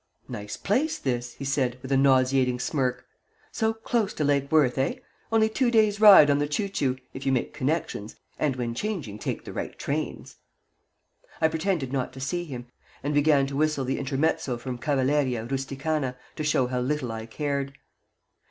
"Nice place, this," said he, with a nauseating smirk. "So close to Lake Worth eh? Only two days' ride on the choo choo, if you make connections, and when changing take the right trains." I pretended not to see him, and began to whistle the intermezzo from "Cavalleria Rusticana," to show how little I cared.